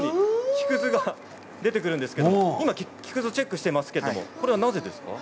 木くずが出てくるんですけれども今チェックしていますけれどもなぜですか？